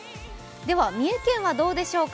三重県はどうでしょうか。